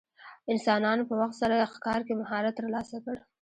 انسانانو په وخت سره ښکار کې مهارت ترلاسه کړ.